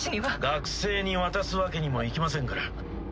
学生に渡すわけにもいきませんから。